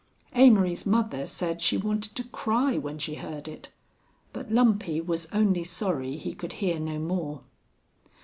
Amory's mother said she wanted to cry when she heard it, but Lumpy was only sorry he could hear no more.